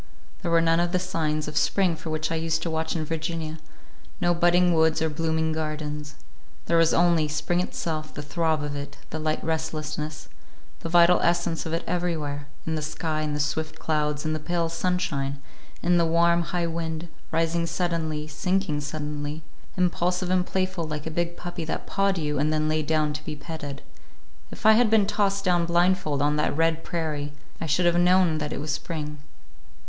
There were none of the signs of spring for which I used to watch in Virginia, no budding woods or blooming gardens. There was only—spring itself; the throb of it, the light restlessness, the vital essence of it everywhere; in the sky, in the swift clouds, in the pale sunshine, and in the warm, high wind—rising suddenly, sinking suddenly, impulsive and playful like a big puppy that pawed you and then lay down to be petted. If I had been tossed down blindfold on that red prairie, I should have known that it was spring.